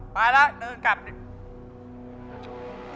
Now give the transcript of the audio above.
ไปล่ะเดินกลับดีกว่า